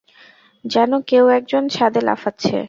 যেন কেউ-এক জন ছাদে লাফাচ্ছে।